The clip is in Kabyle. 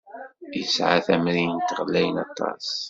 Yesɛa tamrint ɣlayen aṭas.